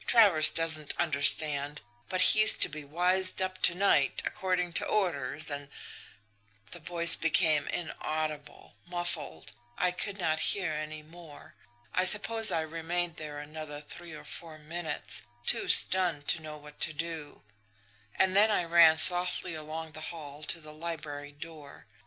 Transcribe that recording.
Travers doesn't understand, but he's to be wised up to night, according to orders, and ' "The voice became inaudible, muffled I could not hear any more. I suppose I remained there another three or four minutes, too stunned to know what to do; and then I ran softly along the hall to the library door.